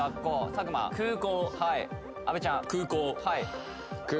佐久間阿部ちゃん